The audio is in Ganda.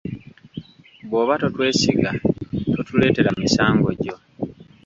Bw'oba totwesiga totuleetera misango gyo.